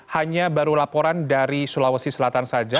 hanya baru laporan dari sulawesi selatan saja